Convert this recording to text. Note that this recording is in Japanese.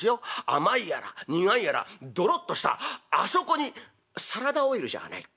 甘いやら苦いやらどろっとしたあそこにサラダオイルじゃない。